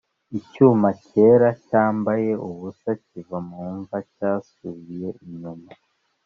icyuma cyera cyambaye ubusa kiva mu mva cyasubiye inyuma,